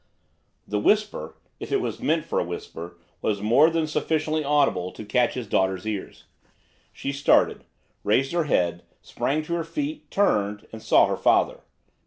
The whisper, if it was meant for a whisper was more than sufficiently audible to catch his daughter's ears. She started raised her head sprang to her feet turned and saw her father.